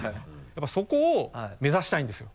やっぱりそこを目指したいんですよ。